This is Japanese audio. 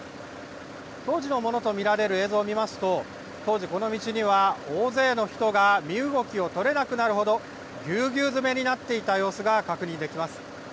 当時のものと見られる映像を見ますと、当時、この道には大勢の人が身動きを取れなくなるほど、ぎゅうぎゅう詰めになっていた様子が確認できます。